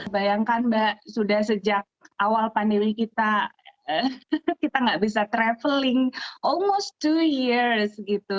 bayangkan mbak sudah sejak awal pandemi kita kita nggak bisa traveling almost two years gitu